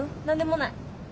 何でもない。